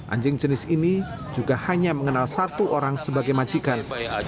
anjing jenis ini juga hanya mengenal satu orang sebagai majikan